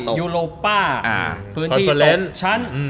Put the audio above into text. โอโลปาพื้นที่ตกชั้น